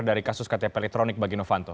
dari kasus ktp elektronik bagi novanto